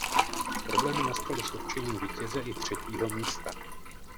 Problémy nastaly s určením vítěze i třetího místa.